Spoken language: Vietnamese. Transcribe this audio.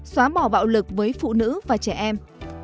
xóa bỏ bạo lực với phụ nữ và trẻ em